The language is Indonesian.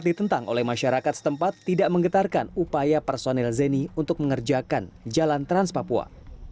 dan jalan yang diangkat oleh masyarakat setempat tidak menggetarkan upaya personil zeni untuk mengerjakan jalan trans papua